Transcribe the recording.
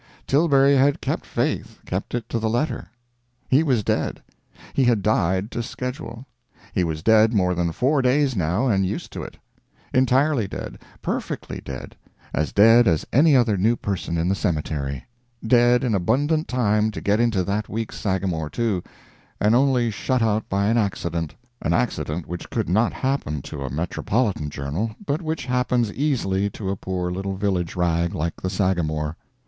Tilbury had kept faith, kept it to the letter; he was dead, he had died to schedule. He was dead more than four days now and used to it; entirely dead, perfectly dead, as dead as any other new person in the cemetery; dead in abundant time to get into that week's Sagamore, too, and only shut out by an accident; an accident which could not happen to a metropolitan journal, but which happens easily to a poor little village rag like the Sagamore.